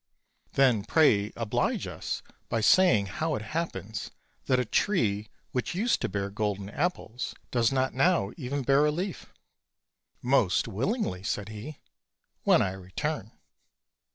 "Then pray oblige us by saying how it happens that a tree which used to bear golden apples does not now even bear a leaf?" "Most willingly," said he, "when I return."